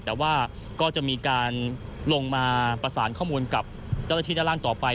แต่ว่าก็จะมีการลงมาประสานข้อมูลกับเจ้าหน้าที่ด้านล่างต่อไป